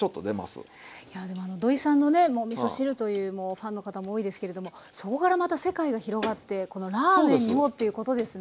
やあでも土井さんのねもうみそ汁というもうファンの方も多いですけれどもそこからまた世界が広がってこのラーメンにもということですね。